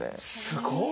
すごっ！